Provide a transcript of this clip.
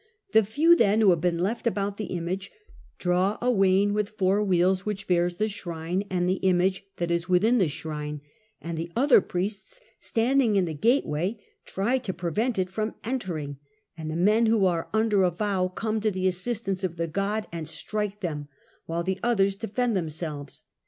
The few then who have been left about the image, draw a wain with four wheels, which bears the shrine and the image that is within the shrine, and the other priests standing in the gateway try to prevent it from entering, and the men who are under a vow come to the assistance of the god and strike them, while the others defend themselves.